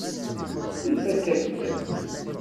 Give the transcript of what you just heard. Ifakk-as-ten.